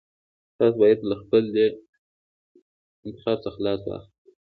تاسو بايد له خپل دې انتخاب څخه لاس واخلئ.